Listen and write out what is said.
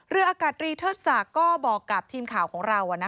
เลยอากาศรีเทอดสะก็บอกกับทีมข่าวของเรา